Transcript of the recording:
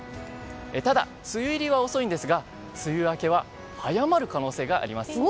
ただ、梅雨入りは遅いんですが梅雨明けは早まる可能性があります。